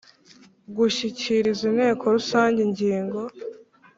Gushyikiriza inteko rusange ingingo